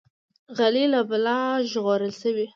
غلی، له بلا ژغورل شوی.